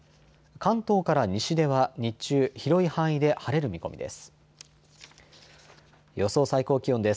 関東から西では日中広い範囲で晴れる見込みです。